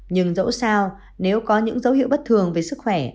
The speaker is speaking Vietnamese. nhưng dẫu sao nếu có những dấu hiệu bất thường về sức khỏe